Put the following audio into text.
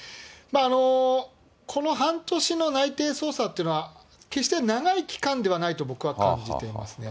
この半年の内偵捜査っていうのは、決して長い期間ではないと僕は感じていますね。